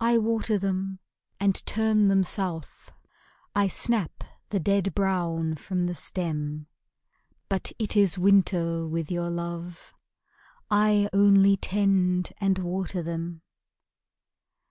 I water them and turn them south, I snap the dead brown from the stem; But it is winter with your love, I only tend and water them.